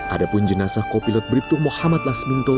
adapun jenasa kopilot priptu muhammad lasminto